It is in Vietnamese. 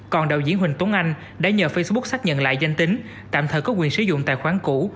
còn đạo diễn huỳnh tuấn anh đã nhờ facebook xác nhận lại danh tính tạm thời có quyền sử dụng tài khoản cũ